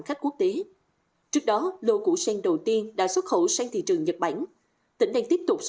khách quốc tế trước đó lô củ sen đầu tiên đã xuất khẩu sang thị trường nhật bản tỉnh đang